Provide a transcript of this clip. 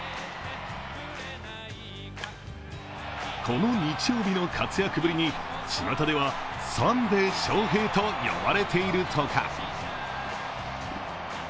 この日曜日の活躍ぶりに、ちまたではサンデー翔平と呼ばれているとか。